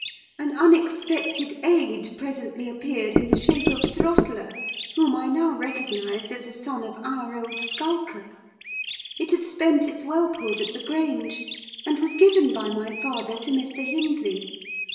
An unexpected aid presently appeared in the shape of Throttler, whom I now recognised as a son of our old Skulker: it had spent its whelphood at the Grange, and was given by my father to Mr. Hindley.